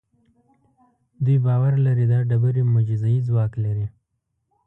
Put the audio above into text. دوی باور لري دا ډبرې معجزه اي ځواک لري.